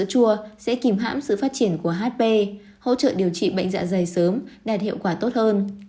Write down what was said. chua sẽ kìm hãm sự phát triển của hp hỗ trợ điều trị bệnh dạ dày sớm đạt hiệu quả tốt hơn